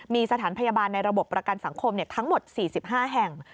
มีสถานพยาบาลในระบบประกันสังคมทั้งหมด๔๕แห่ง